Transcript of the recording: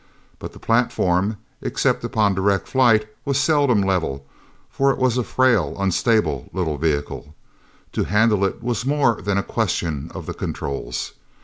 But the platform, except upon direct flight, was seldom level, for it was a frail, unstable little vehicle! To handle it was more than a question of the controls.